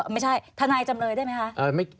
ทนายจำเลยได้ไหมคะ